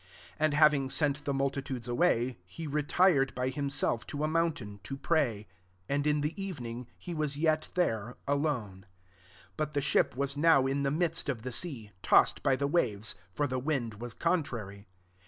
22 And hav ing sent the multitudes awaj» he retired by himself to a moun tain to pray : and in the even ing, he was yet there, alone. 24 But the ship was now in the midst of the sea, tossed by the waves: for the wind was con trary.